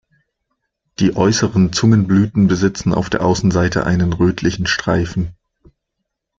Die äußeren Zungenblüten besitzen auf der Außenseite einen rötlichen Streifen.